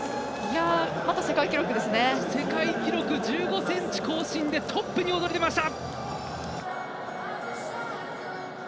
世界記録１５ｃｍ更新でトップに躍り出ました。